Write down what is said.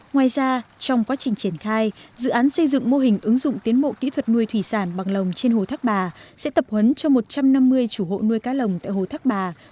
ngoài ra trong quá trình triển khai dự án xây dựng mô hình ứng dụng tiến bộ kỹ thuật nuôi thủy sản bằng lồng trên hồ thác bà sẽ tập huấn cho một trăm năm mươi chủ hộ nuôi cá lồng tại hồ thác bà